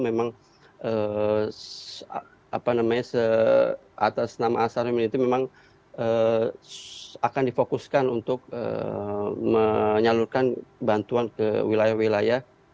memang atas nama asal humanity memang akan difokuskan untuk menyalurkan bantuan ke wilayah wilayah